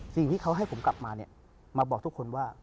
สิ่งที่เขาให้ผมกลับมาเนี่ยมาบอกทุกคนว่า